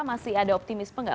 masih ada optimisme nggak